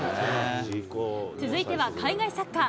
続いては海外サッカー。